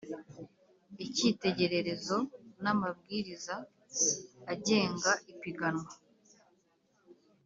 ikitegererezo n’ amabwiriza agenga ipiganwa